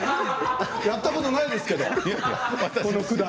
やったことないですよ。